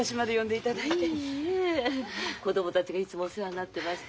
いいえ子供たちがいつもお世話になってまして。